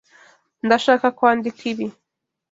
Ndashaka kwandika ibi.